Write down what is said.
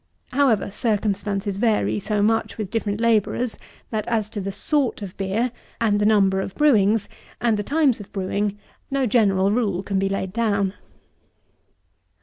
However, circumstances vary so much with different labourers, that as to the sort of beer, and the number of brewings, and the times of brewing, no general rule can be laid down.